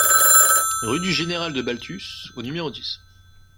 Rue du Général de Baltus au numéro dix